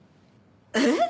えっ？